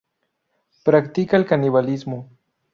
Practica el canibalismo.